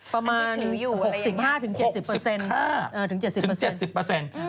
ประมาณ๖๕๗๐